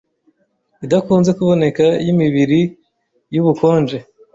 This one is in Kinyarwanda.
idakunze kuboneka yimibiri yubukonje